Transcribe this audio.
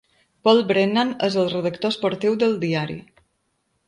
Paul Brennan és el redactor esportiu del diari.